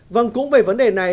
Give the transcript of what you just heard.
vâng cũng về vấn đề này